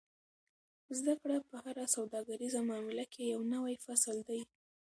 زده کړه په هره سوداګریزه معامله کې یو نوی فصل دی.